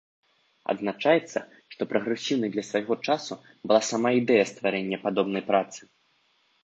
Адзначаецца, што прагрэсіўнай для свайго часу была сама ідэя стварэння падобнай працы.